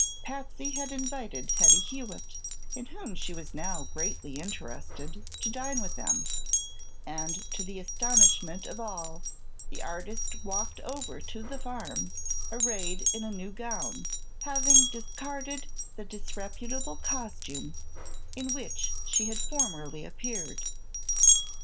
Patsy had invited Hetty Hewitt, in whom she was now greatly interested, to dine with them, and to the astonishment of all the artist walked over to the farm arrayed in a new gown, having discarded the disreputable costume in which she had formerly appeared.